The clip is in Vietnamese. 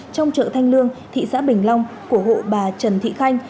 trong chợ thanh lương thị xã bình long của hộ bà trần thị khanh